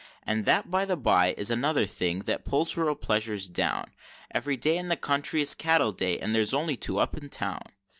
And that, by the bye, is another thing, that pulls rural pleasures down, Ev'ry day in the country is cattle day, and there's only two up in town.